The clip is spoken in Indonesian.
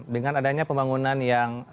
dengan adanya pembangunan yang